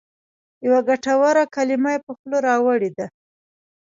یوه ګټوره کلمه پر خوله راوړې ده.